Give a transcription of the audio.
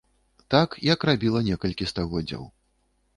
Так, як рабіла некалькі стагоддзяў.